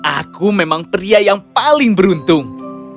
aku memang pria yang paling beruntung